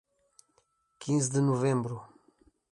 Quinze de Novembro